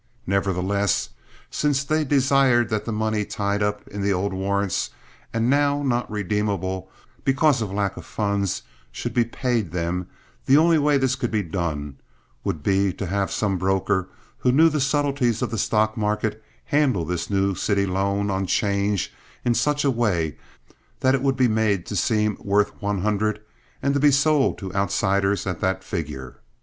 Nevertheless since they desired that the money tied up in the old warrants and now not redeemable because of lack of funds should be paid them, the only way this could be done would be to have some broker who knew the subtleties of the stock market handle this new city loan on 'change in such a way that it would be made to seem worth one hundred and to be sold to outsiders at that figure.